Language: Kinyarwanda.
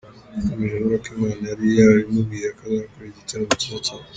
Yakomeje avuga ko Imana yari yarabimubwiye ko azakora igitaramo cyiza cyane.